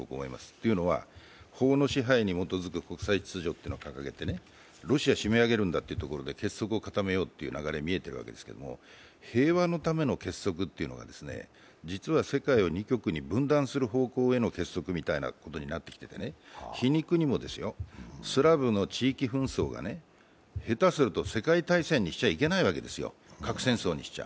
というのは、法の支配に基づく国際秩序を掲げて、ロシア締め上げるんだということで結束を高めようとしているんですが平和のための結束というのが、実は世界を二極に分断するための結束のようになってきて、皮肉にも、スラブの地域紛争が下手すると世界大戦にしちゃいけないわけですよ、核戦争にしちゃ。